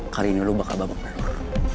kali ini lo bakal bambang telur